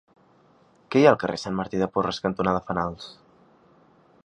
Què hi ha al carrer Sant Martí de Porres cantonada Fenals?